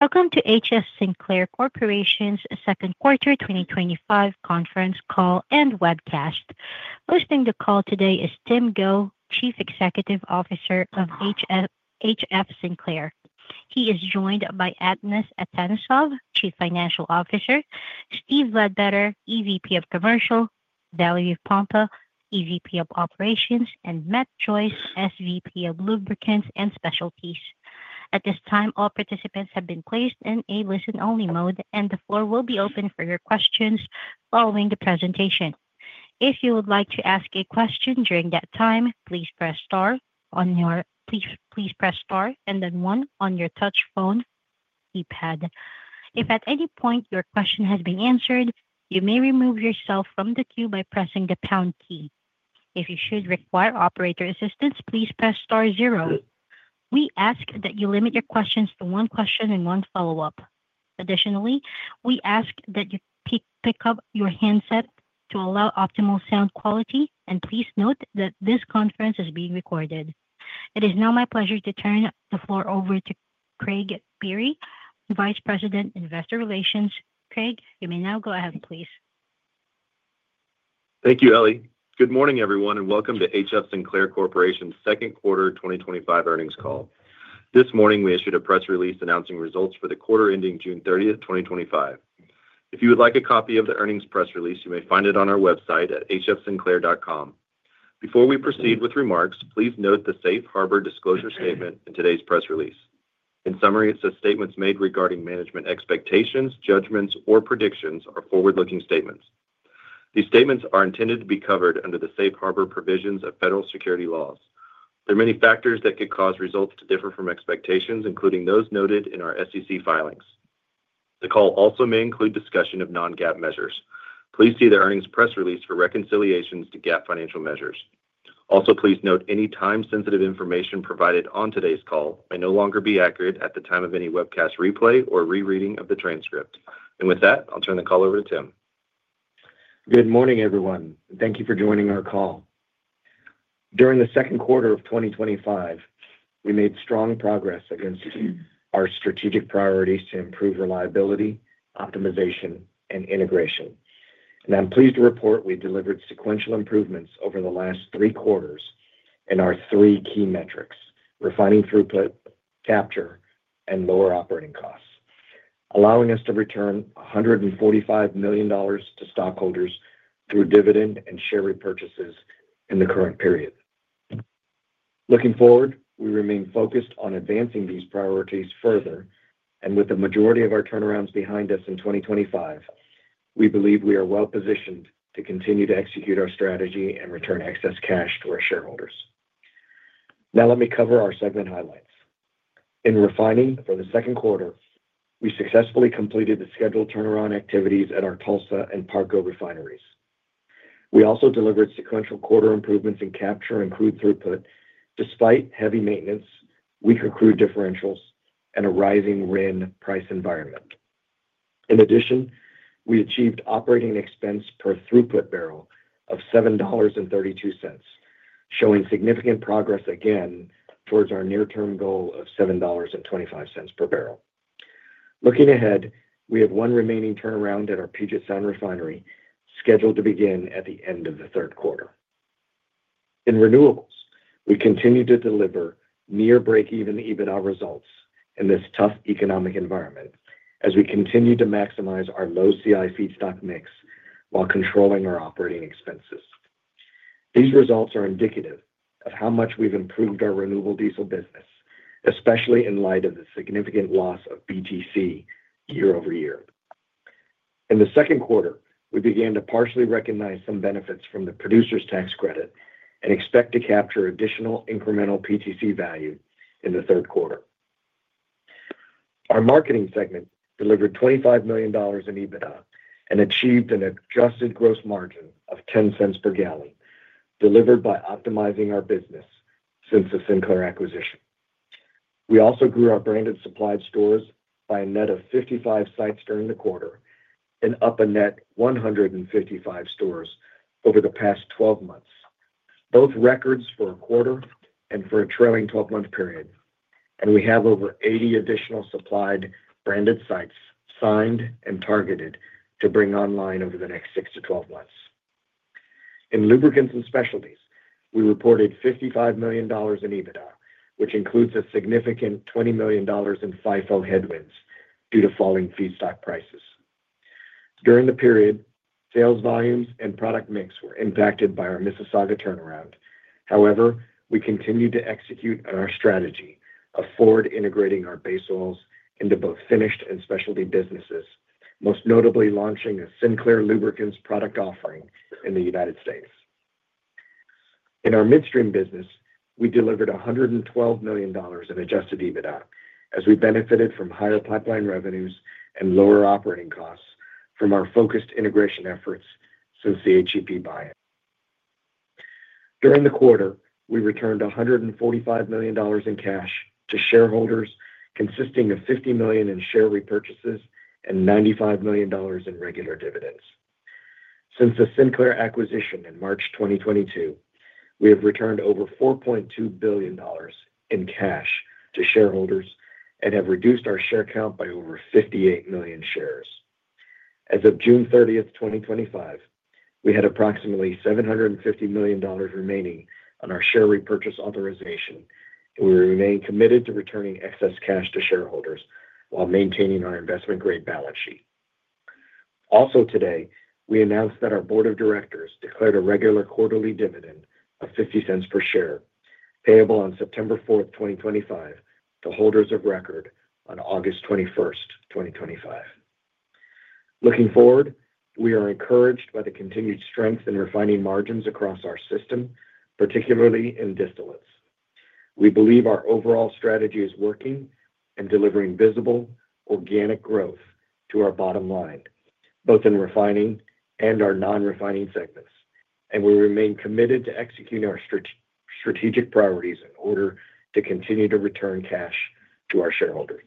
Welcome to HF Sinclair Corporation's second quarter 2025 conference call and webcast. Hosting the call today is Tim Go, Chief Executive Officer of HF Sinclair. He is joined by Atanas Atanasov, Chief Financial Officer, Steve Ledbetter, EVP of Commercial, Valerie Pompa, EVP of Operations, and Matt Joyce, SVP of Lubricants and Specialties. At this time, all participants have been placed in a listen-only mode, and the floor will be open for your questions following the presentation. If you would like to ask a question during that time, please press star and then one on your touch phone keypad. If at any point your question has been answered, you may remove yourself from the queue by pressing the pound key. If you should require operator assistance, please press star zero. We ask that you limit your questions to one question and one follow-up. Additionally, we ask that you pick up your handset to allow optimal sound quality, and please note that this conference is being recorded. It is now my pleasure to turn the floor over to Craig Biery, Vice President, Investor Relations. Craig, you may now go ahead, please. Thank you, Ellie. Good morning, everyone, and welcome to HF Sinclair Corporation's second quarter 2025 earnings call. This morning, we issued a press release announcing results for the quarter ending June 30, 2025. If you would like a copy of the earnings press release, you may find it on our website at hfsinclair.com. Before we proceed with remarks, please note the Safe Harbor disclosure statement in today's press release. In summary, it says statements made regarding management expectations, judgments, or predictions are forward-looking statements. These statements are intended to be covered under the Safe Harbor provisions of federal securities laws. There are many factors that could cause results to differ from expectations, including those noted in our SEC filings. The call also may include discussion of non-GAAP measures. Please see the earnings press release for reconciliations to GAAP financial measures. Also, please note any time-sensitive information provided on today's call may no longer be accurate at the time of any webcast replay or rereading of the transcript. With that, I'll turn the call over to Tim. Good morning, everyone. Thank you for joining our call. During the second quarter of 2025, we made strong progress against our strategic priorities to improve reliability, optimization, and integration. I'm pleased to report we delivered sequential improvements over the last three quarters in our three key metrics: refining throughput, capture, and lower operating costs, allowing us to return $145 million to stockholders through dividend and share repurchases in the current period. Looking forward, we remain focused on advancing these priorities further, and with the majority of our turnarounds behind us in 2025, we believe we are well-positioned to continue to execute our strategy and return excess cash to our shareholders. Now, let me cover our segment highlights. In refining for the second quarter, we successfully completed the scheduled turnaround activities at our Tulsa and Parco refineries. We also delivered sequential quarter improvements in capture and crude throughput despite heavy maintenance, weaker crude differentials, and a rising RIN price environment. In addition, we achieved operating expense per throughput bbl of $7.32, showing significant progress again towards our near-term goal of $7.25 per bbl. Looking ahead, we have one remaining turnaround at our Puget Sound refinery scheduled to begin at the end of the third quarter. In renewables, we continue to deliver near break-even EBITDA results in this tough economic environment as we continue to maximize our low CI feedstock mix while controlling our operating expenses. These results are indicative of how much we've improved our renewable diesel business, especially in light of the significant loss of BTC year-over-year. In the second quarter, we began to partially recognize some benefits from the producers' tax credit and expect to capture additional incremental PTC value in the third quarter. Our marketing segment delivered $25 million in EBITDA and achieved an adjusted gross margin of $0.10 per gallon, delivered by optimizing our business since the Sinclair acquisition. We also grew our branded supplied stores by a net of 55 sites during the quarter and up a net 155 stores over the past 12 months, both records for a quarter and for a trailing 12-month period. We have over 80 additional supplied branded sites signed and targeted to bring online over the next 6 to 12 months. In lubricants and specialties, we reported $55 million in EBITDA, which includes a significant $20 million in FIFO headwinds due to falling feedstock prices. During the period, sales volumes and product mix were impacted by our Mississauga turnaround. However, we continued to execute on our strategy of forward integrating our base oils into both finished and specialty businesses, most notably launching a Sinclair Lubricants product offering in the U.S. In our midstream business, we delivered $112 million in adjusted EBITDA as we benefited from higher pipeline revenues and lower operating costs from our focused integration efforts through CHEP buy-in. During the quarter, we returned $145 million in cash to shareholders, consisting of $50 million in share repurchases and $95 million in regular dividends. Since the Sinclair acquisition in March 2022, we have returned over $4.2 billion in cash to shareholders and have reduced our share count by over 58 million shares. As of June 30, 2025, we had approximately $750 million remaining on our share repurchase authorization, and we remain committed to returning excess cash to shareholders while maintaining our investment-grade balance sheet. Also, today, we announced that our board of directors declared a regular quarterly dividend of $0.50 per share, payable on September 4, 2025, to holders of record on August 21, 2025. Looking forward, we are encouraged by the continued strength in refining margins across our system, particularly in distillates. We believe our overall strategy is working and delivering visible, organic growth to our bottom line, both in refining and our non-refining segments, and we remain committed to executing our strategic priorities in order to continue to return cash to our shareholders.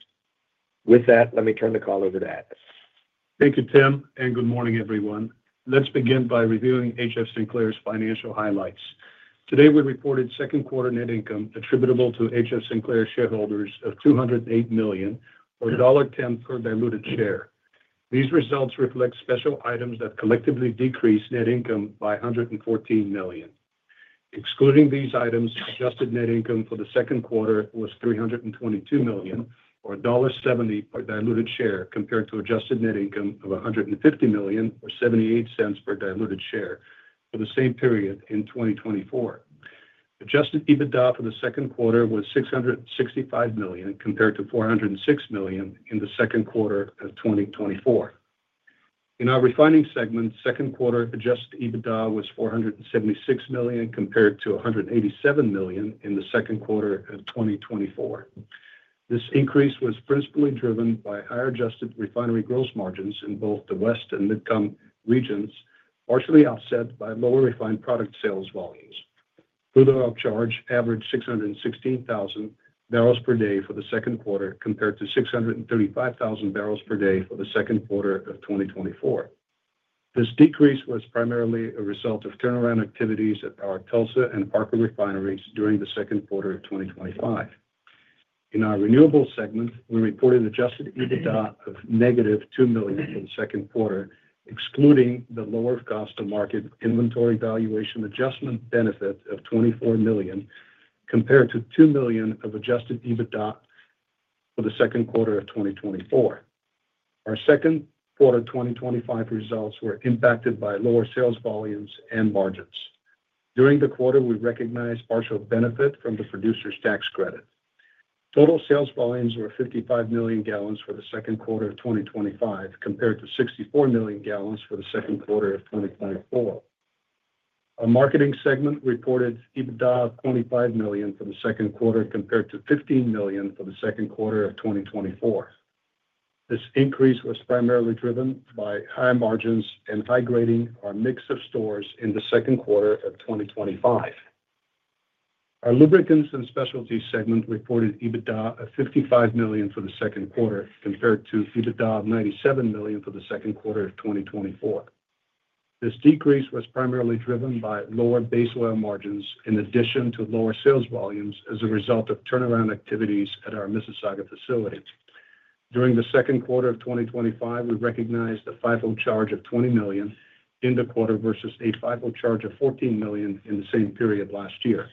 With that, let me turn the call over to Atanas. Thank you, Tim, and good morning, everyone. Let's begin by reviewing HF Sinclair's financial highlights. Today, we reported second-quarter net income attributable to HF Sinclair shareholders of $208 million or $1.10 per diluted share. These results reflect special items that collectively decreased net income by $114 million. Excluding these items, adjusted net income for the second quarter was $322 million or $1.70 per diluted share compared to adjusted net income of $150 million or $0.78 per diluted share for the same period in 2024. Adjusted EBITDA for the second quarter was $665 million compared to $406 million in the second quarter of 2024. In our refining segment, second-quarter adjusted EBITDA was $476 million compared to $187 million in the second quarter of 2024. This increase was principally driven by higher adjusted refinery gross margins in both the West and Mid-Com regions, partially offset by lower refined product sales volumes. Further throughput averaged 616,000 bbl per day for the second quarter compared to 635,000 bbl per day for the second quarter of 2024. This decrease was primarily a result of turnaround activities at our Tulsa and Parco refineries during the second quarter of 2025. In our renewables segment, we reported adjusted EBITDA of negative $2 million for the second quarter, excluding the lower cost-of-market inventory valuation adjustment benefit of $24 million compared to $2 million of adjusted EBITDA for the second quarter of 2024. Our second-quarter 2025 results were impacted by lower sales volumes and margins. During the quarter, we recognized partial benefit from the producers' tax credit. Total sales volumes were 55 million gallons for the second quarter of 2025 compared to 64 million gallons for the second quarter of 2024. Our marketing segment reported EBITDA of $25 million for the second quarter compared to $15 million for the second quarter of 2024. This increase was primarily driven by high margins and high grading our mix of stores in the second quarter of 2025. Our lubricants and specialty segment reported EBITDA of $55 million for the second quarter compared to EBITDA of $97 million for the second quarter of 2024. This decrease was primarily driven by lower base oil margins in addition to lower sales volumes as a result of turnaround activities at our Mississauga facility. During the second quarter of 2025, we recognized the FIFO charge of $20 million in the quarter versus a FIFO charge of $14 million in the same period last year.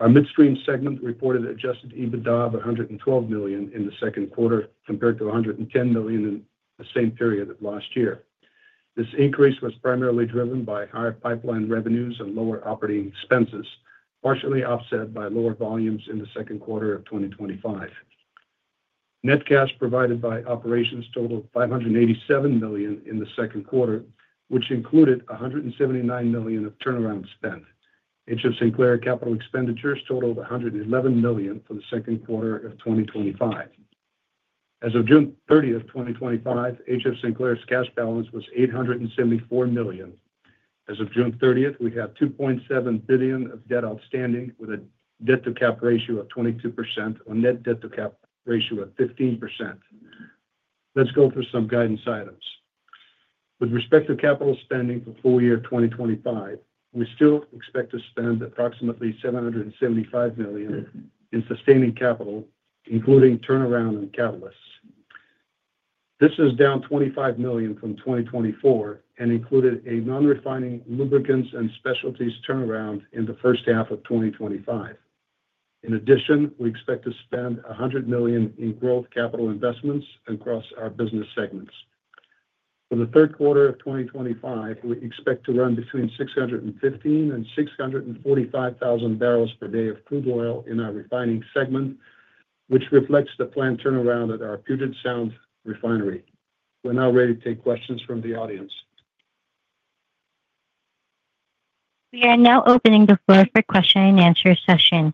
Our midstream segment reported adjusted EBITDA of $112 million in the second quarter compared to $110 million in the same period of last year. This increase was primarily driven by higher pipeline revenues and lower operating expenses, partially offset by lower volumes in the second quarter of 2025. Net cash provided by operations totaled $587 million in the second quarter, which included $179 million of turnaround spend. HF Sinclair capital expenditures totaled $111 million for the second quarter of 2025. As of June 30, 2025, HF Sinclair's cash balance was $874 million. As of June 30, we had $2.7 billion of debt outstanding with a debt-to-cap ratio of 22% or net debt-to-cap ratio of 15%. Let's go through some guidance items. With respect to capital spending for full-year 2025, we still expect to spend approximately $775 million in sustaining capital, including turnaround and catalysts. This is down $25 million from 2024 and included a non-refining lubricants and specialties turnaround in the first half of 2025. In addition, we expect to spend $100 million in growth capital investments across our business segments. For the third quarter of 2025, we expect to run between 615,000 and 645,000 bbl per day of crude oil in our refining segment, which reflects the planned turnaround at our Puget Sound refinery. We're now ready to take questions from the audience. We are now opening the floor for question and answer session.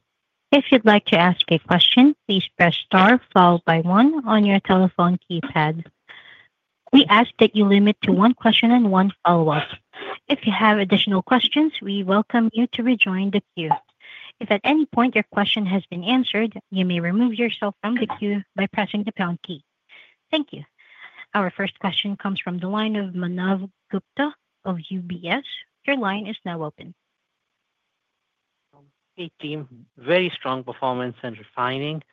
If you'd like to ask a question, please press star followed by one on your telephone keypad. We ask that you limit to one question and one follow-up. If you have additional questions, we welcome you to rejoin the queue. If at any point your question has been answered, you may remove yourself from the queue by pressing the pound key. Thank you. Our first question comes from the line of Manav Gupta of UBS. Your line is now open. Hey, team. Very strong performance in refining.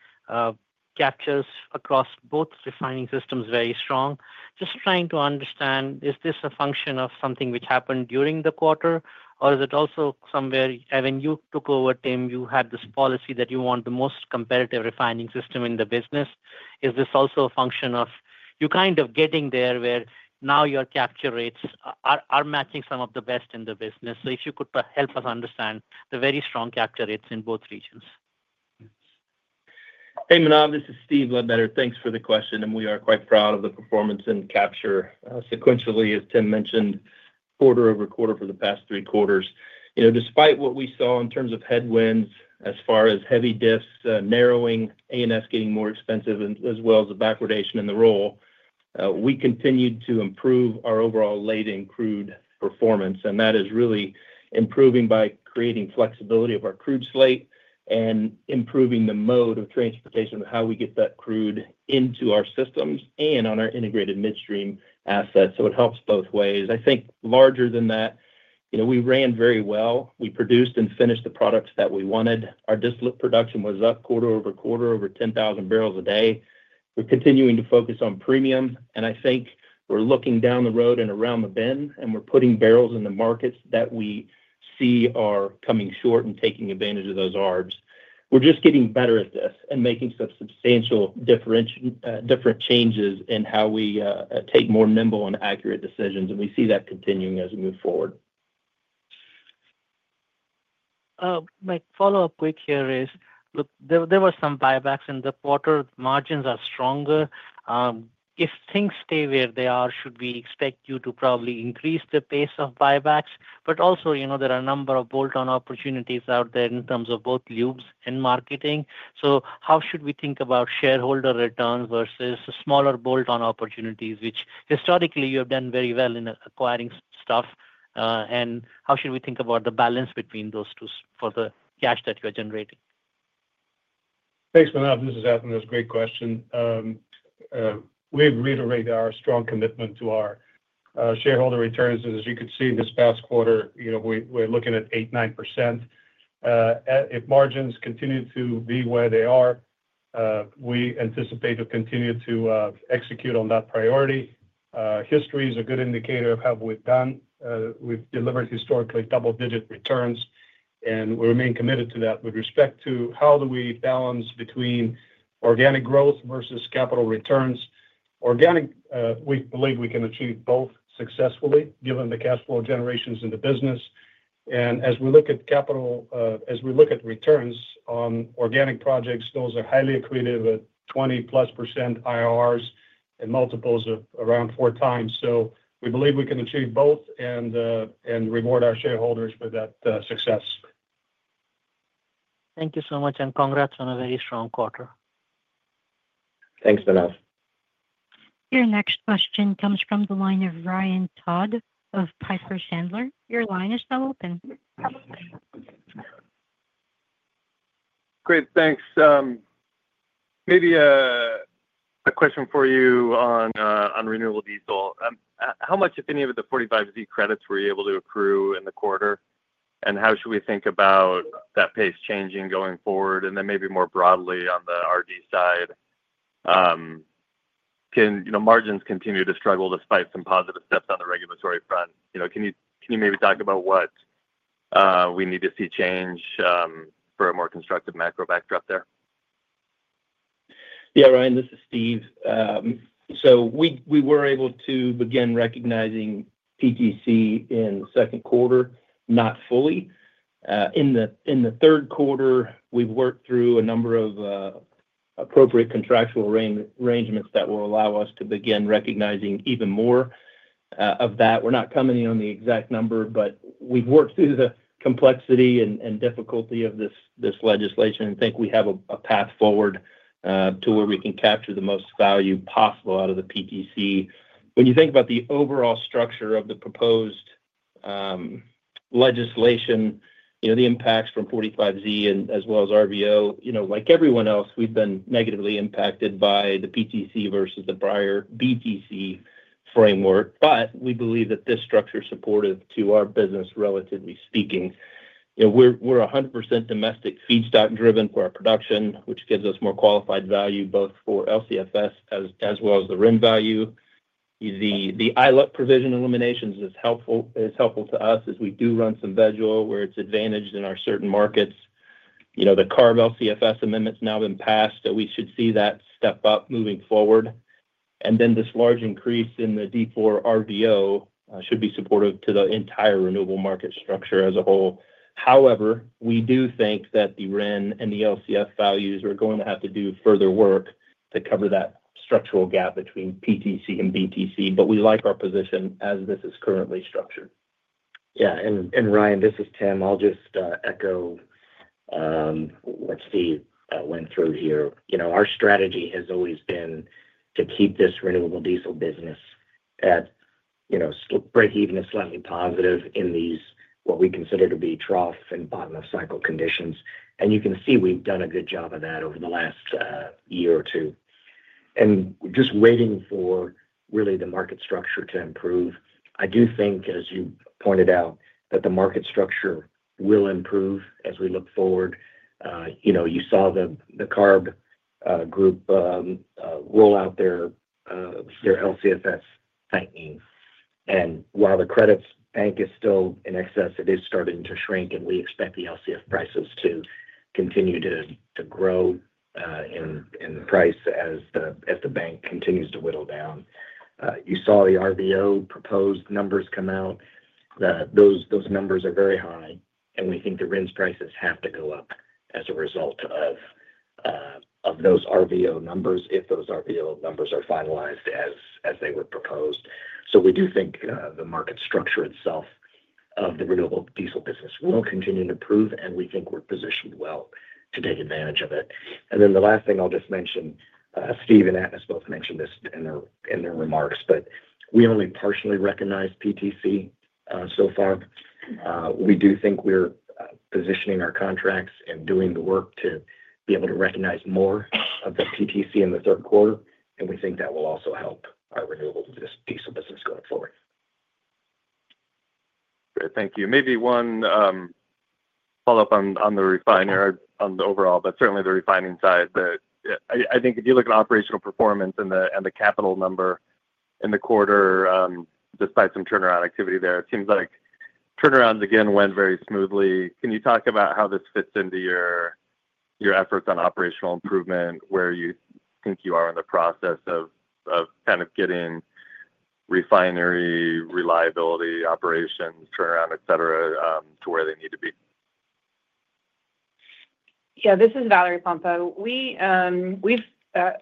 Capture rates across both refining systems very strong. Just trying to understand, is this a function of something which happened during the quarter, or is it also somewhere when you took over, Tim, you had this policy that you want the most competitive refining system in the business? Is this also a function of you kind of getting there where now your capture rates are matching some of the best in the business? If you could help us understand the very strong capture rates in both regions. Hey, Manav. This is Steve Ledbetter. Thanks for the question. We are quite proud of the performance in capture sequentially, as Tim mentioned, quarter over quarter for the past three quarters. Despite what we saw in terms of headwinds as far as heavy diffs narrowing, A&S getting more expensive, as well as the backwardation in the roll, we continued to improve our overall latent crude performance. That is really improving by creating flexibility of our crude slate and improving the mode of transportation of how we get that crude into our systems and on our integrated midstream assets. It helps both ways. I think larger than that, we ran very well. We produced and finished the products that we wanted. Our distillate production was up quarter over quarter over 10,000 bbl a day. We're continuing to focus on premium. I think we're looking down the road and around the bend, and we're putting barrels in the markets that we see are coming short and taking advantage of those arbs. We're just getting better at this and making some substantial different changes in how we take more nimble and accurate decisions. We see that continuing as we move forward. My follow-up quick here is, look, there were some buybacks in the quarter. Margins are stronger. If things stay where they are, should we expect you to probably increase the pace of buybacks? There are a number of bolt-on opportunities out there in terms of both lubes and marketing. How should we think about shareholder returns versus smaller bolt-on opportunities, which historically you have done very well in acquiring stuff? How should we think about the balance between those two for the cash that you are generating? Thanks, Manav. This is Atanas. That's a great question. We've reiterated our strong commitment to our shareholder returns. As you could see this past quarter, we're looking at 8%-9%. If margins continue to be where they are, we anticipate to continue to execute on that priority. History is a good indicator of how we've done. We've delivered historically double-digit returns, and we remain committed to that. With respect to how we balance between organic growth versus capital returns, organic, we believe we can achieve both successfully given the cash flow generations in the business. As we look at capital, as we look at returns on organic projects, those are highly accretive at 20%+ IRRs and multiples of around four times. We believe we can achieve both and reward our shareholders for that success. Thank you so much, and congrats on a very strong quarter. Thanks, Manav. Your next question comes from the line of Ryan Todd of Piper Sandler. Your line is now open. Great. Thanks. Maybe a question for you on renewable diesel. How much, if any, of the 45Z credits were you able to accrue in the quarter? How should we think about that pace changing going forward? Maybe more broadly on the RD side, margins continue to struggle despite some positive steps on the regulatory front. Can you maybe talk about what we need to see change for a more constructive macro backdrop there? Yeah, Ryan, this is Steve. We were able to begin recognizing PTC in the second quarter, not fully. In the third quarter, we've worked through a number of appropriate contractual arrangements that will allow us to begin recognizing even more of that. We're not coming in on the exact number, but we've worked through the complexity and difficulty of this legislation and think we have a path forward to where we can capture the most value possible out of the PTC. When you think about the overall structure of the proposed legislation, the impacts from 45Z as well as RVO, like everyone else, we've been negatively impacted by the PTC versus the prior BTC framework. We believe that this structure is supportive to our business, relatively speaking. We're 100% domestic feedstock-driven for our production, which gives us more qualified value both for LCFS as well as the RIN value. The ILUC provision eliminations is helpful to us as we do run some veg oil where it's advantaged in our certain markets. The CARB LCFS amendment's now been passed, and we should see that step up moving forward. This large increase in the D4 RVO should be supportive to the entire renewable market structure as a whole. However, we do think that the RIN and the LCF values are going to have to do further work to cover that structural gap between PTC and BTC, but we like our position as this is currently structured. Yeah. Ryan, this is Tim. I'll just echo what Steve went through here. Our strategy has always been to keep this renewable diesel business at break-even and slightly positive in these, what we consider to be, trough and bottom-up cycle conditions. You can see we've done a good job of that over the last year or two. We're just waiting for the market structure to improve. I do think, as you pointed out, that the market structure will improve as we look forward. You saw the CARB group roll out their LCFS tightening. While the credits bank is still in excess, it is starting to shrink, and we expect the LCFS prices to continue to grow in price as the bank continues to whittle down. You saw the RVO proposed numbers come out. Those numbers are very high, and we think the RIN's prices have to go up as a result of those RVO numbers if those RVO numbers are finalized as they were proposed. We do think the market structure itself of the renewable diesel business will continue to improve, and we think we're positioned well to take advantage of it. The last thing I'll mention, Steve and Atanas both mentioned this in their remarks, but we only partially recognize PTC so far. We do think we're positioning our contracts and doing the work to be able to recognize more of the PTC in the third quarter, and we think that will also help our renewable diesel business going forward. Great. Thank you. Maybe one follow-up on the refiner on the overall, but certainly the refining side. I think if you look at operational performance and the capital number in the quarter, despite some turnaround activity there, it seems like turnarounds again went very smoothly. Can you talk about how this fits into your efforts on operational improvement, where you think you are in the process of kind of getting refinery reliability, operations, turnaround, etc., to where they need to be? Yeah. This is Valerie Pompa.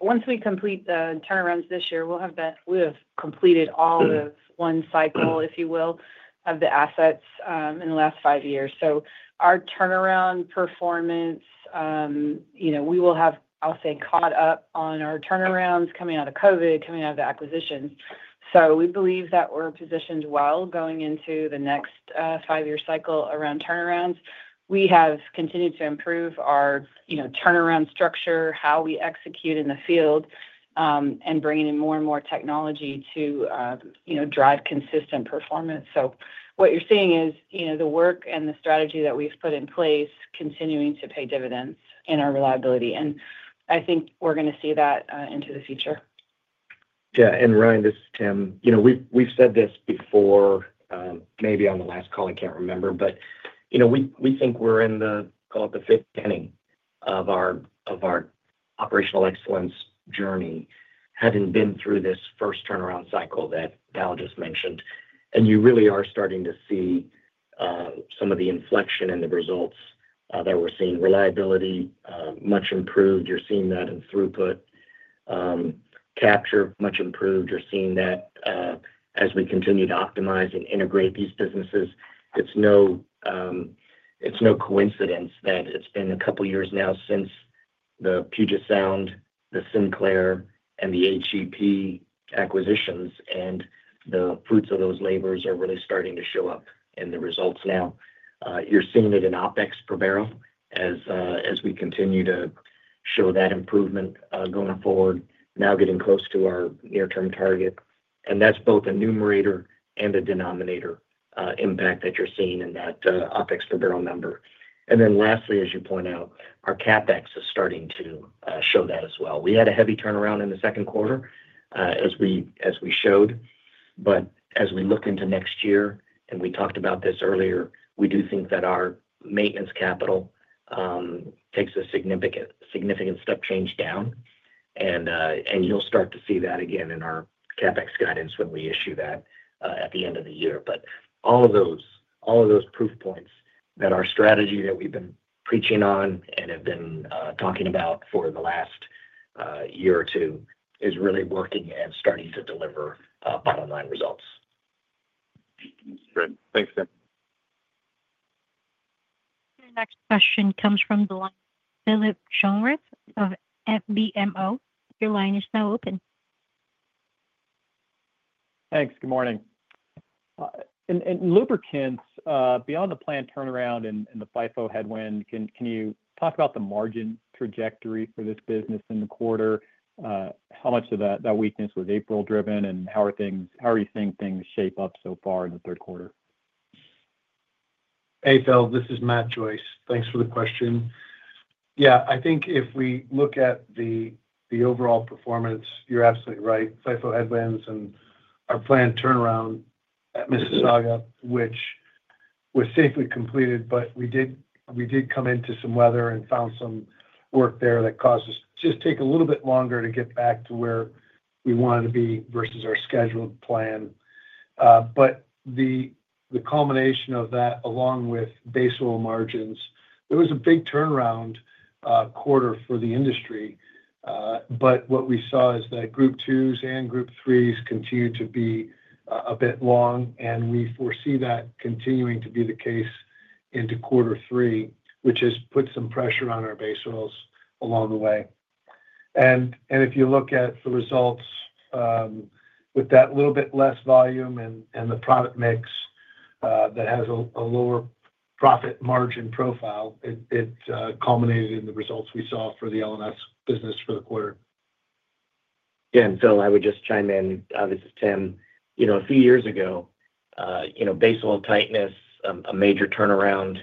Once we complete the turnarounds this year, we will have completed all of one cycle, if you will, of the assets in the last five years. Our turnaround performance, you know, we will have, I'll say, caught up on our turnarounds coming out of COVID, coming out of the acquisitions. We believe that we're positioned well going into the next five-year cycle around turnarounds. We have continued to improve our, you know, turnaround structure, how we execute in the field, and bringing in more and more technology to, you know, drive consistent performance. What you're seeing is, you know, the work and the strategy that we've put in place continuing to pay dividends in our reliability. I think we're going to see that into the future. Yeah. Ryan, this is Tim. We've said this before, maybe on the last call, I can't remember, but we think we're in the, call it the fifth inning of our operational excellence journey having been through this first turnaround cycle that Al just mentioned. You really are starting to see some of the inflection in the results that we're seeing. Reliability, much improved. You're seeing that in throughput. Capture, much improved. You're seeing that as we continue to optimize and integrate these businesses. It's no coincidence that it's been a couple of years now since the Puget Sound, the Sinclair, and the HEP acquisitions, and the fruits of those labors are really starting to show up in the results now. You're seeing it in OpEx per barrel as we continue to show that improvement going forward, now getting close to our near-term target. That's both a numerator and a denominator impact that you're seeing in that OpEx per barrel number. Lastly, as you point out, our CapEx is starting to show that as well. We had a heavy turnaround in the second quarter, as we showed. As we look into next year, and we talked about this earlier, we do think that our maintenance capital takes a significant step change down. You'll start to see that again in our CapEx guidance when we issue that at the end of the year. All of those proof points that our strategy that we've been preaching on and have been talking about for the last year or two is really working and starting to deliver bottom-line results. Great. Thanks, Tim. Our next question comes from the line of Phillip Jungwirth of BMO. Your line is now open. Thanks. Good morning. In lubricants, beyond the planned turnaround and the FIFO headwind, can you talk about the margin trajectory for this business in the quarter? How much of that weakness was April-driven, and how are you seeing things shape up so far in the third quarter? Hey, Phil. This is Matt Joyce. Thanks for the question. Yeah, I think if we look at the overall performance, you're absolutely right. FIFO headwinds and our planned turnaround at Mississauga, which was safely completed, but we did come into some weather and found some work there that caused us to just take a little bit longer to get back to where we wanted to be versus our scheduled plan. The culmination of that, along with base oil margins, it was a big turnaround quarter for the industry. What we saw is that group twos and group threes continued to be a bit long, and we foresee that continuing to be the case into quarter three, which has put some pressure on our base oils along the way. If you look at the results, with that little bit less volume and the product mix that has a lower profit margin profile, it culminated in the results we saw for the L&S business for the quarter. Yeah. Phil, I would just chime in. This is Tim. You know, a few years ago, base oil tightness, a major turnaround,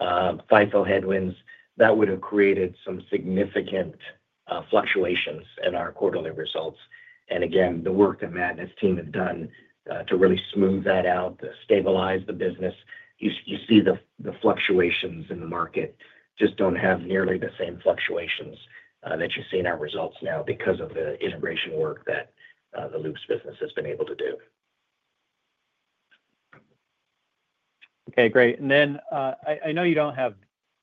FIFO headwinds, that would have created some significant fluctuations in our quarterly results. The work that Matt and his team have done to really smooth that out, to stabilize the business, you see the fluctuations in the market just don't have nearly the same fluctuations that you see in our results now because of the integration work that the lubes business has been able to do. Okay. Great. I know you don't have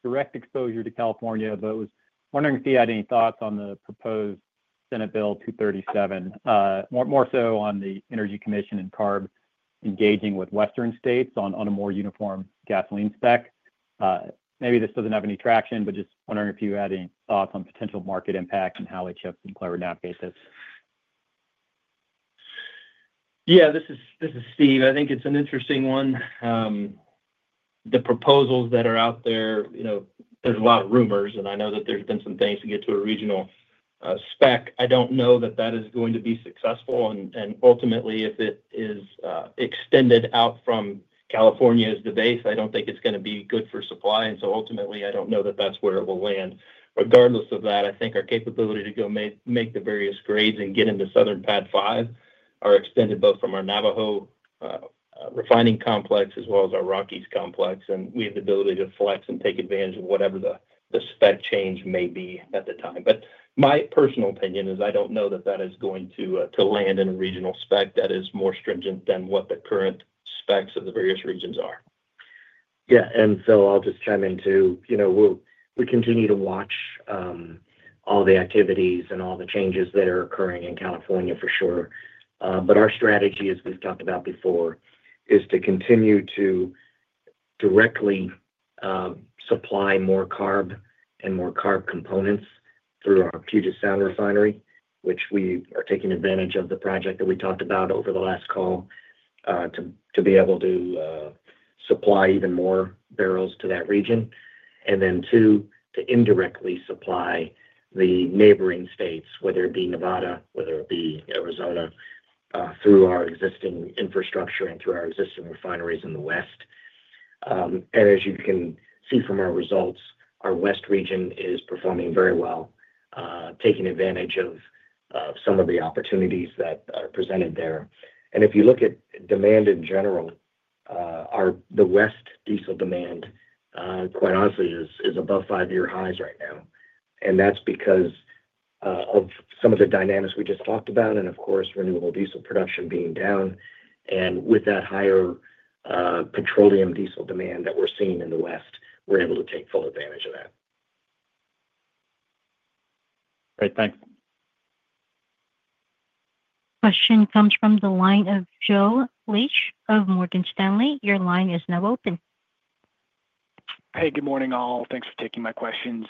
direct exposure to California, but I was wondering if you had any thoughts on the proposed Senate Bill 237, more so on the Energy Commission and CARB engaging with Western states on a more uniform gasoline spec. Maybe this doesn't have any traction, but just wondering if you had any thoughts on potential market impact and how HF Sinclair would navigate this. Yeah. This is Steve. I think it's an interesting one. The proposals that are out there, you know, there's a lot of rumors, and I know that there's been some things to get to a regional spec. I don't know that that is going to be successful. Ultimately, if it is extended out from California as the base, I don't think it's going to be good for supply. Ultimately, I don't know that that's where it will land. Regardless of that, I think our capability to go make the various grades and get into Southern PAD-5 are extended both from our Navajo refining complex as well as our Rockies complex. We have the ability to flex and take advantage of whatever the spec change may be at the time. My personal opinion is I don't know that that is going to land in a regional spec that is more stringent than what the current specs of the various regions are. Yeah. Phil, I'll just chime in too. We continue to watch all the activities and all the changes that are occurring in California, for sure. Our strategy, as we've talked about before, is to continue to directly supply more CARB and more CARB components through our Puget Sound refinery, which we are taking advantage of the project that we talked about over the last call to be able to supply even more barrels to that region. Two, we indirectly supply the neighboring states, whether it be Nevada or Arizona, through our existing infrastructure and through our existing refineries in the West. As you can see from our results, our West region is performing very well, taking advantage of some of the opportunities that are presented there. If you look at demand in general, the West diesel demand, quite honestly, is above five-year highs right now. That's because of some of the dynamics we just talked about and, of course, renewable diesel production being down. With that higher petroleum diesel demand that we're seeing in the West, we're able to take full advantage of that. Great. Thanks. Question comes from the line of Joe Laetsch of Morgan Stanley. Your line is now open. Good morning, all. Thanks for taking my questions.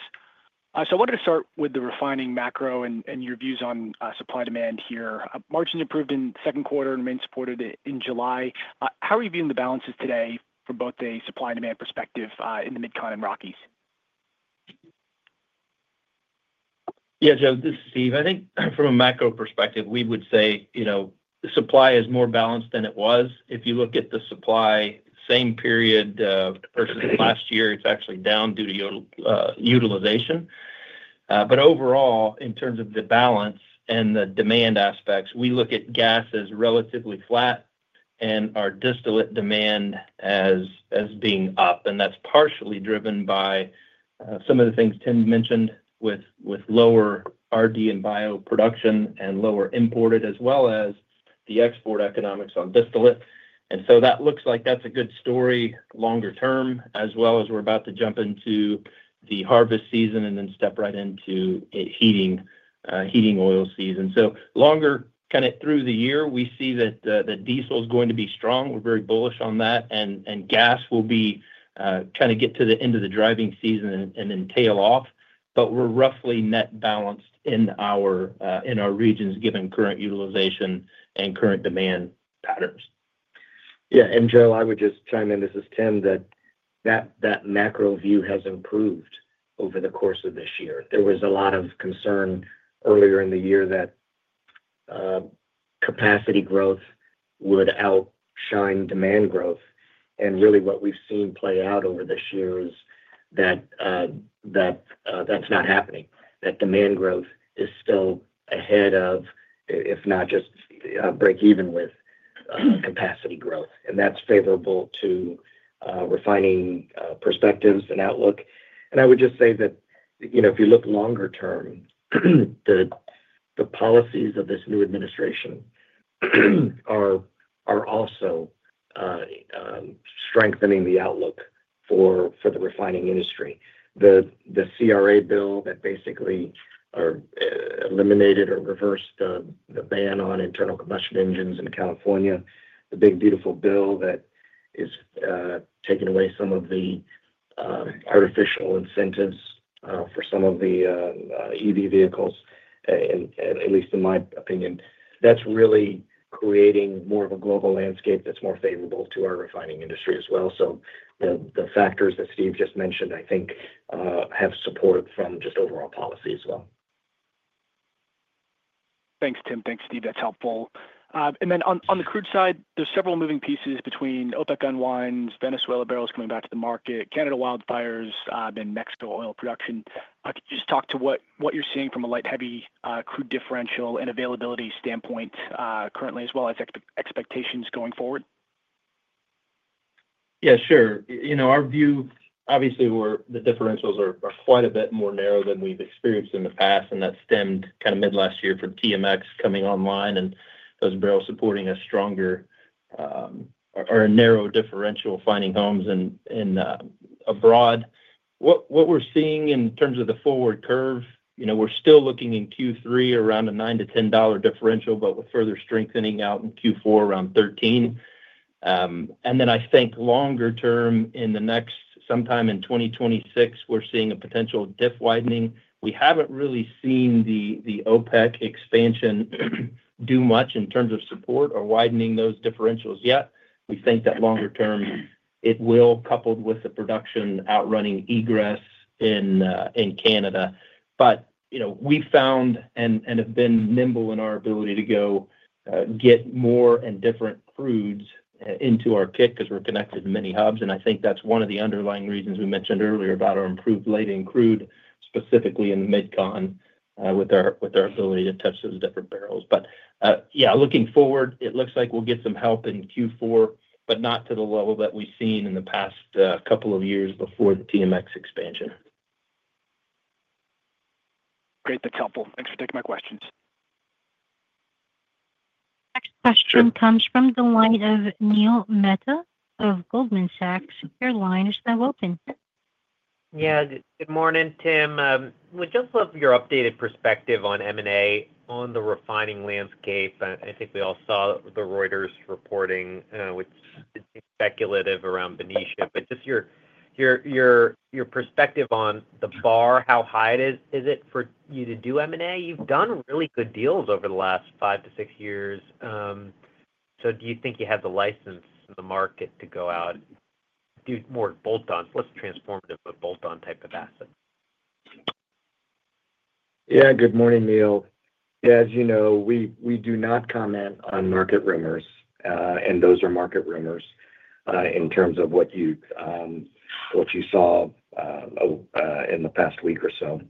I wanted to start with the refining macro and your views on supply-demand here. Margins improved in the second quarter and remained supportive in July. How are you viewing the balances today from both a supply and demand perspective in the MidCon and Rockies? Yeah, Joe, this is Steve. I think from a macro perspective, we would say the supply is more balanced than it was. If you look at the supply same period versus last year, it's actually down due to utilization. Overall, in terms of the balance and the demand aspects, we look at gas as relatively flat and our distillate demand as being up. That's partially driven by some of the things Tim mentioned with lower RD and bio production and lower imported, as well as the export economics on distillate. That looks like that's a good story longer term, as we're about to jump into the harvest season and then step right into heating oil season. Longer kind of through the year, we see that the diesel is going to be strong. We're very bullish on that. Gas will be kind of get to the end of the driving season and then tail off. We're roughly net balanced in our regions, given current utilization and current demand patterns. Yeah. Joe, I would just chime in, this is Tim, that macro view has improved over the course of this year. There was a lot of concern earlier in the year that capacity growth would outshine demand growth. What we've seen play out over this year is that that's not happening, that demand growth is still ahead of, if not just break-even with, capacity growth. That's favorable to refining perspectives and outlook. I would just say that, if you look longer term, the policies of this new administration are also strengthening the outlook for the refining industry. The CRA bill that basically eliminated or reversed the ban on internal combustion engines in California, the big, beautiful bill that is taking away some of the artificial incentives for some of the EV vehicles, at least in my opinion, that's really creating more of a global landscape that's more favorable to our refining industry as well. The factors that Steve just mentioned, I think, have support from just overall policy as well. Thanks, Tim. Thanks, Steve. That's helpful. On the crude side, there's several moving pieces between OPEC unwinds, Venezuela barrels coming back to the market, Canada wildfires, and Mexico oil production. Could you just talk to what you're seeing from a light-heavy crude differential and availability standpoint currently, as well as expectations going forward? Yeah, sure. You know, our view, obviously, the differentials are quite a bit more narrow than we've experienced in the past. That stemmed kind of mid-last year from TMX coming online, and those barrels supporting a stronger or a narrow differential finding homes abroad. What we're seeing in terms of the forward curve, you know, we're still looking in Q3 around a $9-$10 differential, but with further strengthening out in Q4 around $13. I think longer term, in the next sometime in 2026, we're seeing a potential diff widening. We haven't really seen the OPEC expansion do much in terms of support or widening those differentials yet. We think that longer term, it will, coupled with the production outrunning egress in Canada. You know, we found and have been nimble in our ability to go get more and different crudes into our kit because we're connected to many hubs. I think that's one of the underlying reasons we mentioned earlier about our improved latent crude, specifically in the MidCon with our ability to touch those different barrels. Looking forward, it looks like we'll get some help in Q4, but not to the level that we've seen in the past couple of years before the TMX expansion. Great. That's helpful. Thanks for taking my questions. Next question comes from the line of Neil Mehta of Goldman Sachs. Your line is now open. Good morning, Tim. We'd just love your updated perspective on M&A on the refining landscape. I think we all saw the Reuters reporting, which is speculative around Benicia. Just your perspective on the bar, how high it is for you to do M&A? You've done really good deals over the last five to six years. Do you think you have the license in the market to go out and do more bolt-ons? What's transformative of a bolt-on type of asset? Yeah. Good morning, Neil. As you know, we do not comment on market rumors, and those are market rumors in terms of what you saw in the past week or so.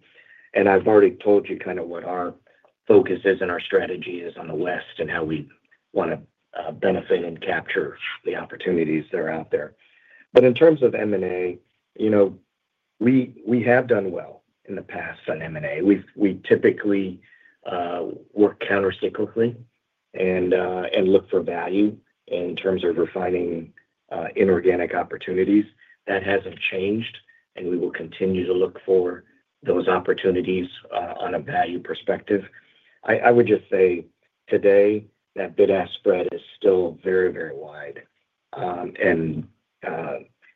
I've already told you kind of what our focus is and our strategy is on the West and how we want to benefit and capture the opportunities that are out there. In terms of M&A, you know, we have done well in the past on M&A. We typically work countercyclically and look for value in terms of refining inorganic opportunities. That hasn't changed, and we will continue to look for those opportunities on a value perspective. I would just say today, that bid-ask spread is still very, very wide.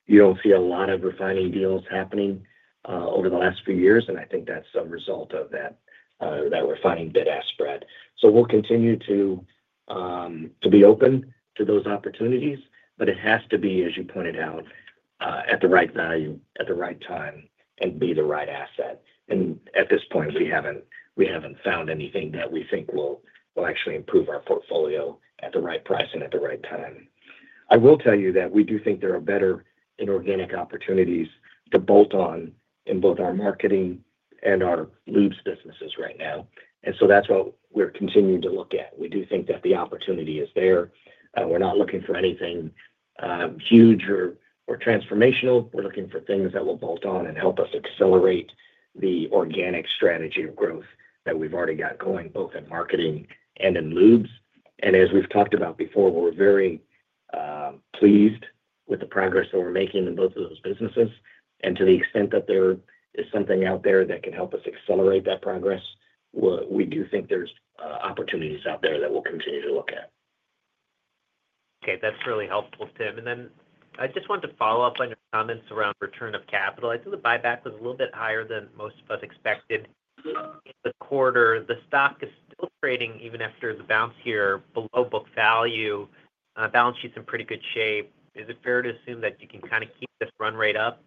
You don't see a lot of refining deals happening over the last few years, and I think that's a result of that refining bid-ask spread. We'll continue to be open to those opportunities, but it has to be, as you pointed out, at the right value, at the right time, and be the right asset. At this point, we haven't found anything that we think will actually improve our portfolio at the right price and at the right time. I will tell you that we do think there are better inorganic opportunities to bolt on in both our marketing and our lubes businesses right now, and that's what we're continuing to look at. We do think that the opportunity is there. We're not looking for anything huge or transformational. We're looking for things that will bolt on and help us accelerate the organic strategy of growth that we've already got going both in marketing and in lubes. As we've talked about before, we're very pleased with the progress that we're making in both of those businesses. To the extent that there is something out there that can help us accelerate that progress, we do think there's opportunities out there that we'll continue to look at. Okay. That's really helpful, Tim. I just wanted to follow up on your comments around return of capital. I think the buyback was a little bit higher than most of us expected in the quarter. The stock is still trading, even after the bounce here, below book value. Balance sheet's in pretty good shape. Is it fair to assume that you can kind of keep this run rate up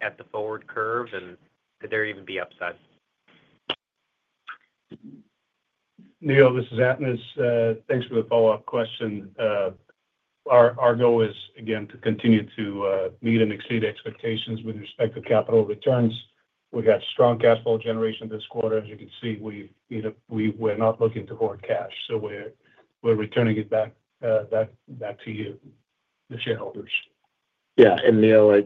at the forward curve? Could there even be upside? Neil, this is Atanas. Thanks for the follow-up question. Our goal is, again, to continue to meet and exceed expectations with respect to capital returns. We have strong cash flow generation this quarter. As you can see, we're not looking to hoard cash. We're returning it back to you, the shareholders. Yeah. Neil,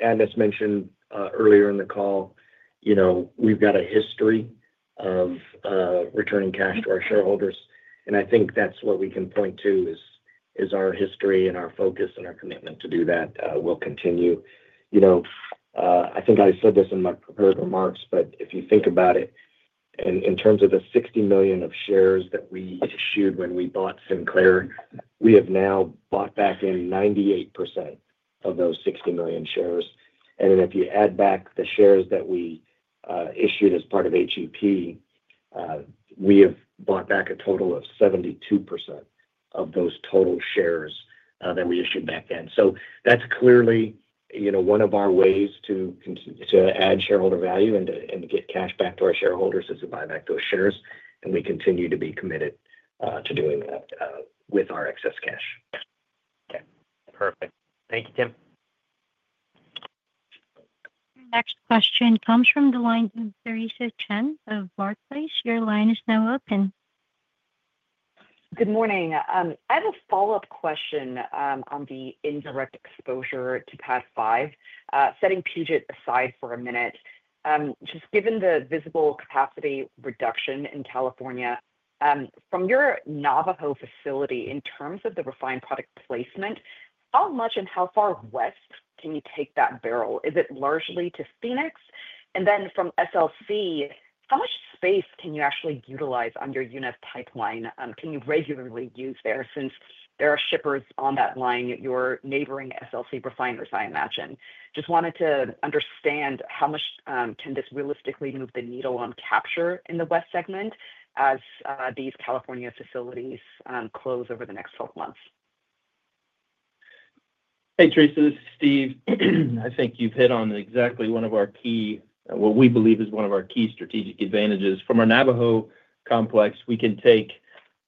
Atanas mentioned earlier in the call, you know, we've got a history of returning cash to our shareholders. I think that's what we can point to is our history and our focus and our commitment to do that. We'll continue. I think I said this in my prepared remarks, but if you think about it, in terms of the 60 million of shares that we issued when we bought Sinclair, we have now bought back in 98% of those 60 million shares. If you add back the shares that we issued as part of HEP, we have bought back a total of 72% of those total shares that we issued back then. That's clearly one of our ways to add shareholder value and to get cash back to our shareholders as we buy back those shares. We continue to be committed to doing that with our excess cash. Okay. Perfect. Thank you, Tim. Next question comes from the line of Theresa Chen of Barclays Bank. Your line is now open. Good morning. I have a follow-up question on the indirect exposure to PAD-5, setting Puget Sound aside for a minute. Just given the visible capacity reduction in California, from your Navajo facility, in terms of the refined product placement, how much and how far west can you take that barrel? Is it largely to Phoenix? From SLC, how much space can you actually utilize on your UNEF pipeline? Can you regularly use there since there are shippers on that line, your neighboring SLC refiners, I imagine? I just wanted to understand how much can this realistically move the needle on capture in the West segment as these California facilities close over the next 12 months? Hey, Theresa. This is Steve. I think you've hit on exactly one of our key, what we believe is one of our key strategic advantages. From our Navajo complex, we can take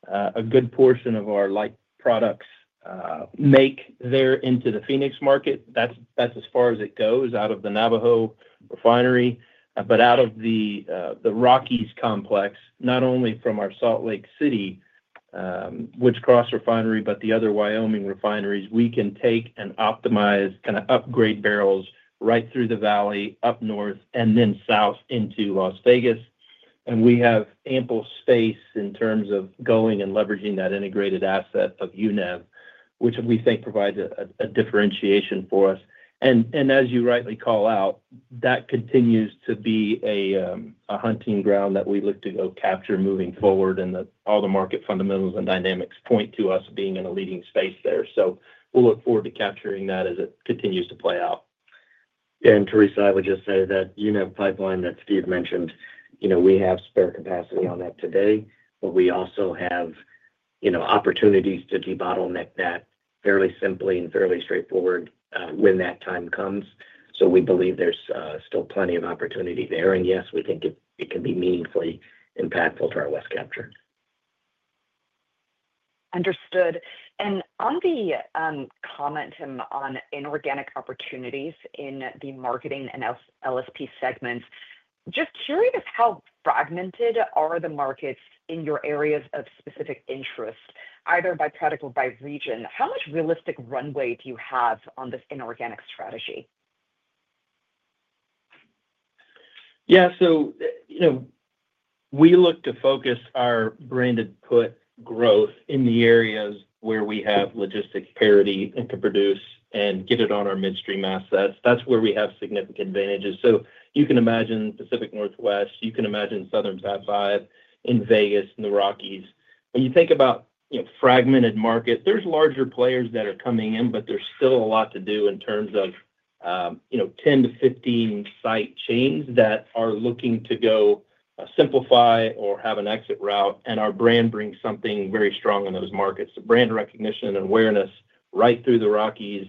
a good portion of our light products and make their way into the Phoenix market. That's as far as it goes out of the Navajo refinery. Out of the Rockies complex, not only from our Salt Lake City, which is cross-refinery, but the other Wyoming refineries, we can take and optimize, kind of upgrade barrels right through the valley, up north, and then south into Las Vegas. We have ample space in terms of going and leveraging that integrated asset of UNEV, which we think provides a differentiation for us. As you rightly call out, that continues to be a hunting ground that we look to go capture moving forward. All the market fundamentals and dynamics point to us being in a leading space there. We look forward to capturing that as it continues to play out. Yeah. Theresa, I would just say that UNEV pipeline that Steve mentioned, you know, we have spare capacity on that today, but we also have, you know, opportunities to debottleneck that fairly simply and fairly straightforward when that time comes. We believe there's still plenty of opportunity there, and yes, we think it can be meaningfully impactful to our West capture. Understood. On the comment, Tim, on inorganic opportunities in the marketing and LSP segments, just curious how fragmented are the markets in your areas of specific interest, either by product or by region? How much realistic runway do you have on this inorganic strategy? Yeah. We look to focus our branded put growth in the areas where we have logistic parity and can produce and get it on our midstream assets. That's where we have significant advantages. You can imagine Pacific Northwest, Southern PAD-5 in Vegas, and the Rockies. When you think about a fragmented market, there are larger players that are coming in, but there's still a lot to do in terms of 10-15 site chains that are looking to go simplify or have an exit route. Our brand brings something very strong in those markets. The brand recognition and awareness right through the Rockies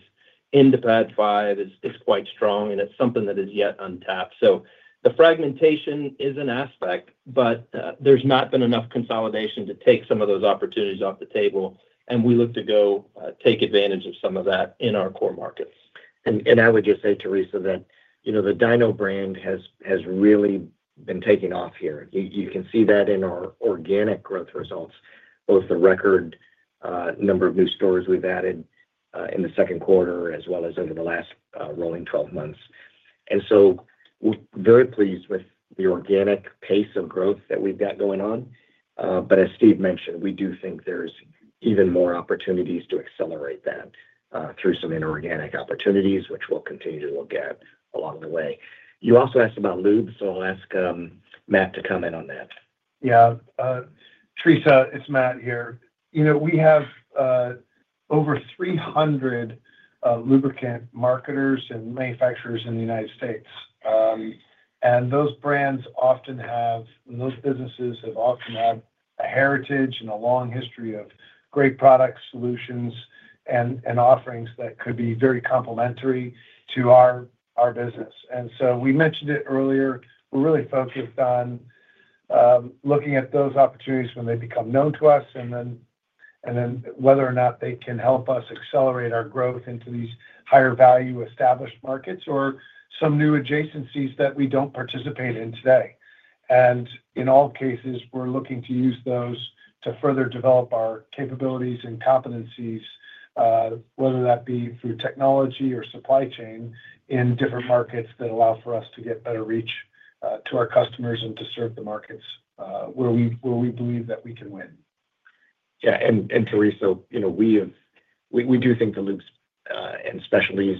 into PAD-5 is quite strong, and it's something that is yet untapped. The fragmentation is an aspect, but there's not been enough consolidation to take some of those opportunities off the table. We look to take advantage of some of that in our core markets. I would just say, Theresa, that the Dino brand has really been taking off here. You can see that in our organic growth results, both the record number of new stores we've added in the second quarter, as well as over the last rolling 12 months. We are very pleased with the organic pace of growth that we've got going on. As Steve mentioned, we do think there's even more opportunities to accelerate that through some inorganic opportunities, which we'll continue to look at along the way. You also asked about lubes, so I'll ask Matt to comment on that. Yeah. Theresa, it's Matt here. We have over 300 lubricant marketers and manufacturers in the U.S., and those brands often have, and those businesses have often had, a heritage and a long history of great products, solutions, and offerings that could be very complementary to our business. We mentioned it earlier. We're really focused on looking at those opportunities when they become known to us, whether or not they can help us accelerate our growth into these higher-value established markets or some new adjacencies that we don't participate in today. In all cases, we're looking to use those to further develop our capabilities and competencies, whether that be through technology or supply chain in different markets that allow for us to get better reach to our customers and to serve the markets where we believe that we can win. Yeah. Theresa, you know, we do think the lubes and specialties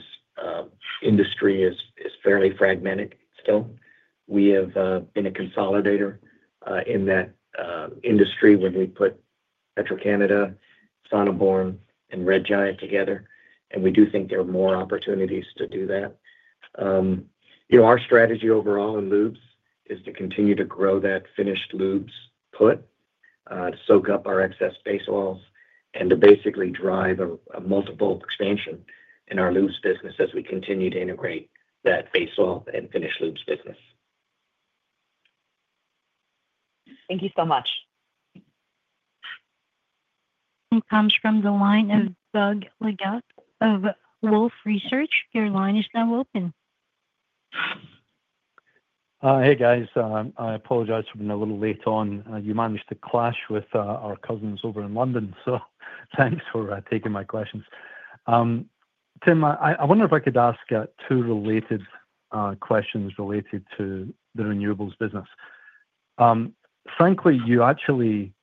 industry is fairly fragmented still. We have been a consolidator in that industry when we put Petro-Canada, Sonneborn, and Red Giant together. We do think there are more opportunities to do that. You know, our strategy overall in lubes is to continue to grow that finished lubes put, to soak up our excess base oils, and to basically drive a multiple expansion in our lubes business as we continue to integrate that base oil and finished lubes business. Thank you so much. Who comes from the line of Doug Leggate of Wolfe Research? Your line is now open. Hey, guys. I apologize for being a little late on. You managed to clash with our cousins over in London, so thanks for taking my questions. Tim, I wonder if I could ask two related questions related to the renewables business. Frankly, you actually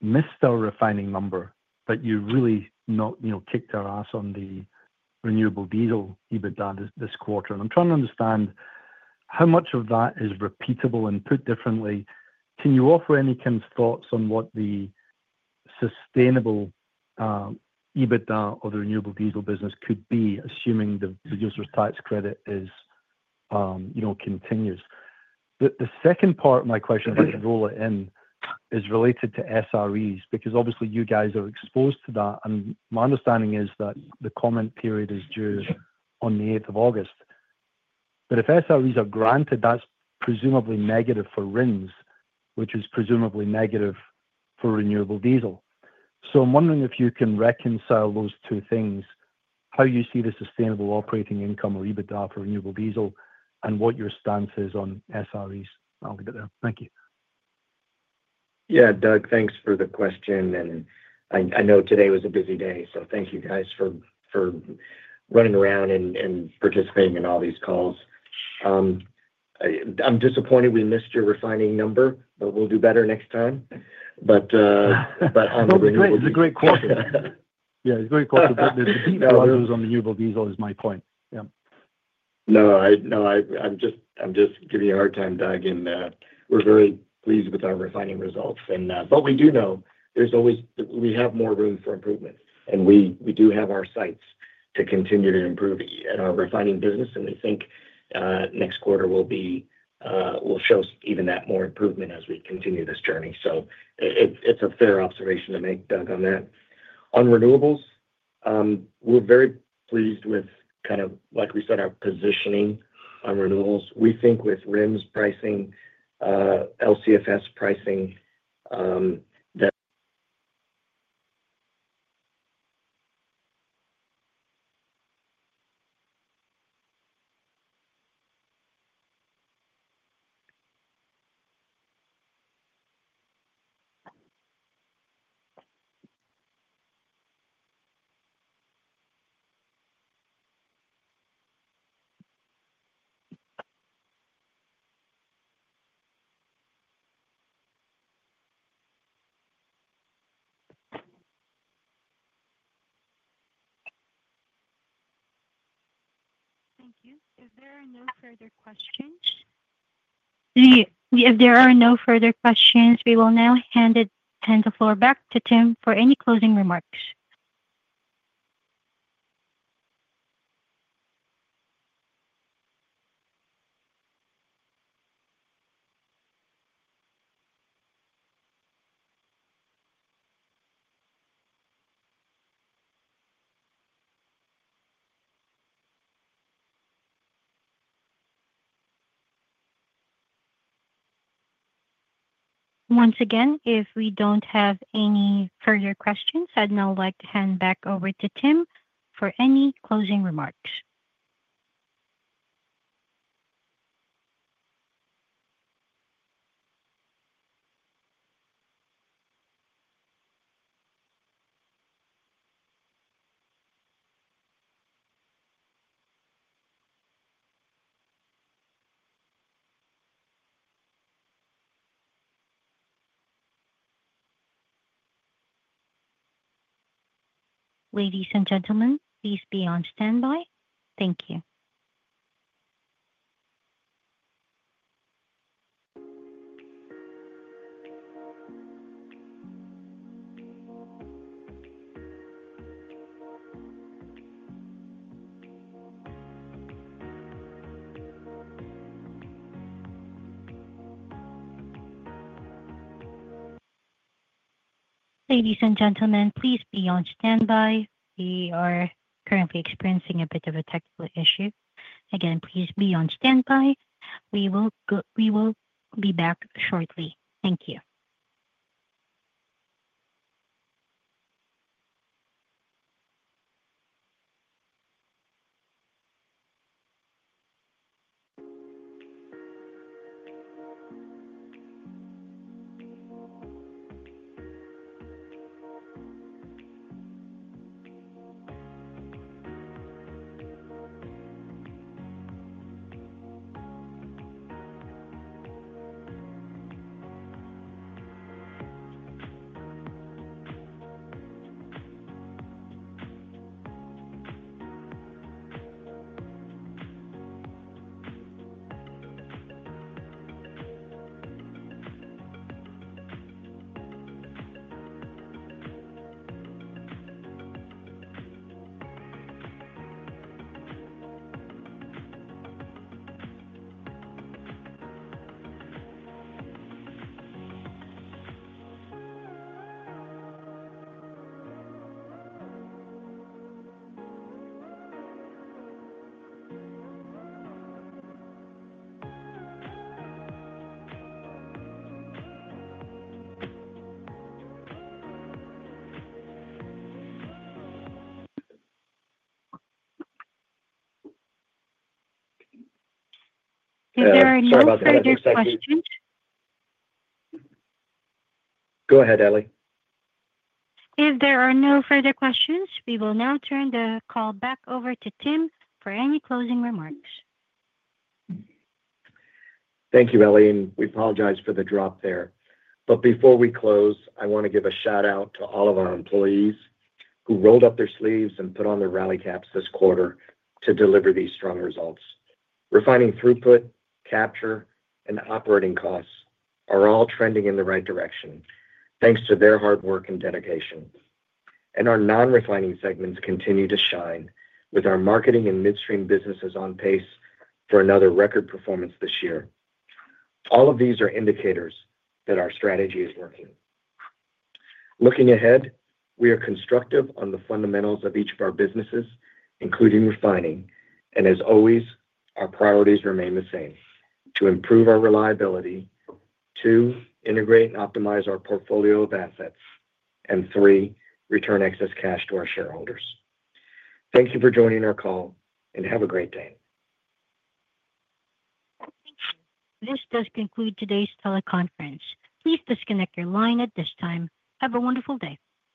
missed our refining number, but you really, you know, kicked our ass on the renewable diesel EBITDA this quarter. I'm trying to understand how much of that is repeatable and, put differently, can you offer any kind of thoughts on what the sustainable EBITDA of the renewable diesel business could be, assuming the producers’ tax credit is, you know, continuous? The second part of my question, if I could roll it in, is related to SREs because obviously, you guys are exposed to that. My understanding is that the comment period is due on the 8th of August. If SREs are granted, that's presumably negative for RINs, which is presumably negative for renewable diesel. I'm wondering if you can reconcile those two things, how you see the sustainable operating income or EBITDA for renewable diesel, and what your stance is on SREs. I'll leave it there. Thank you. Yeah, Doug, thanks for the question. I know today was a busy day, so thank you, guys, for running around and participating in all these calls. I'm disappointed we missed your refining number. We'll do better next time. On the renewable. It's a great quarter. Yeah, it's a great quarter. The deeper it goes on renewable diesel is my point. Yeah. No, no, I'm just giving you a hard time, Doug. We're very pleased with our refining results, but we do know we have more room for improvement. We do have our sights to continue to improve our refining business, and we think next quarter will show even more improvement as we continue this journey. It's a fair observation to make, Doug, on that. On renewables, we're very pleased with, kind of like we said, our positioning on renewables. We think with RINs pricing, LCFS pricing, that. Thank you. If there are no further questions, we will now hand the floor back to Tim for any closing remarks. Once again, if we don't have any further questions, I'd now like to hand back over to Tim for any closing remarks. Ladies and gentlemen, please be on standby. Thank you. Ladies and gentlemen, please be on standby. We are currently experiencing a bit of a technical issue. Again, please be on standby. We will be back shortly. Thank you. If there are no further questions? Go ahead, Ellie. If there are no further questions, we will now turn the call back over to Tim for any closing remarks. Thank you, Ellie. We apologize for the drop there. Before we close, I want to give a shout-out to all of our employees who rolled up their sleeves and put on their rally caps this quarter to deliver these strong results. Refining throughput, capture, and operating costs are all trending in the right direction thanks to their hard work and dedication. Our non-refining segments continue to shine with our marketing and midstream businesses on pace for another record performance this year. All of these are indicators that our strategy is working. Looking ahead, we are constructive on the fundamentals of each of our businesses, including refining. As always, our priorities remain the same: to improve our reliability, to integrate and optimize our portfolio of assets, and, three, return excess cash to our shareholders. Thank you for joining our call and have a great day. Thank you. This does conclude today's teleconference. Please disconnect your line at this time. Have a wonderful day.